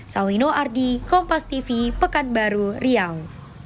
sawino ardi kompas tv pekanbaru riau